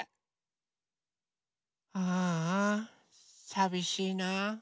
ああさびしいな。